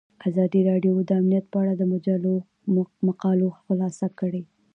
ازادي راډیو د امنیت په اړه د مجلو مقالو خلاصه کړې.